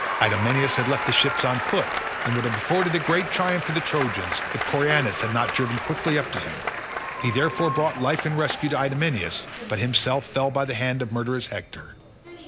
Idomeneus had left the ships on foot and would have afforded a great triumph to the Trojans if Coiranus had not driven quickly up to him, he therefore brought life and rescue to Idomeneus, but himself fell by the hand of murderous Hector.